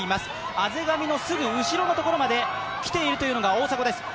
畔上のすぐ後ろのところまで来ているというのが大迫です。